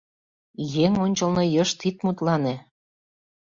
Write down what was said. «Еҥ ончылно йышт ит мутлане».